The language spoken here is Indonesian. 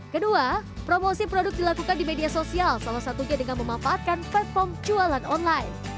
kedua promosi produk dilakukan di media sosial salah satunya dengan memanfaatkan platform jualan online